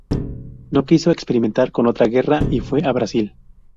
No quiso experimentar con otra guerra y fue a Brasil.